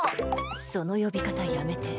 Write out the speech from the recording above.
その呼び方やめて。